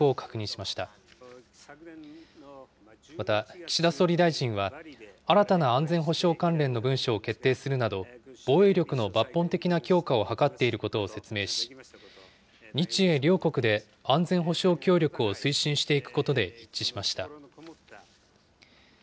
また、岸田総理大臣は新たな安全保障関連の文書を決定するなど、防衛力の抜本的な強化を図っていることを説明し、日英両国で安全保障協力を推進していくことを一致しました。